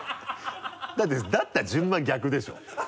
だったら順番逆でしょ。